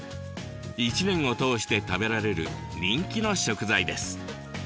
一年を通して食べられる人気の食材です。